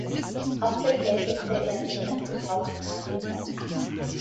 Auch betätigte er sich als Gebrauchsgrafiker.